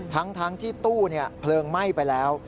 ทั้งที่ตู้เพลิงไหม้ไปแล้ว